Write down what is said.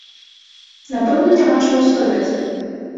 Напэўна, няма чаго сказаць.